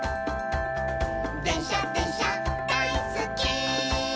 「でんしゃでんしゃだいすっき」